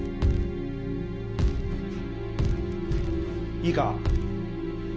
いいか？